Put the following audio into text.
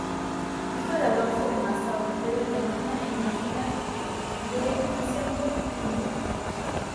Hijo de Adolfo de Nassau, Rey de Alemania e Imagina de Isenburg-Limburg.